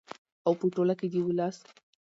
او په ټوله کې د ولس